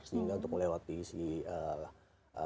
sehingga untuk melewati si ee